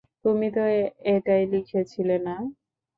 তুমি তো এটাই লিখেছিলে না?